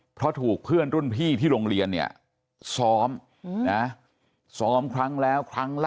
เพราะถูกเพื่อนรุ่นพี่ที่โรงเรียนซ้อมครั้งแล้ว